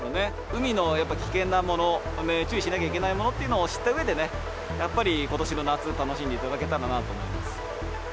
海の危険なもの、注意しなきゃいけないものというのを知ったうえでね、やっぱりことしの夏、楽しんでいただけたらなと思います。